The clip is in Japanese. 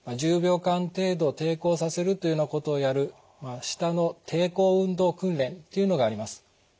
１０秒間程度抵抗させるというようなことをやる舌の抵抗運動訓練というのがあります。